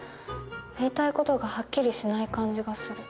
言いたい事がはっきりしない感じがする。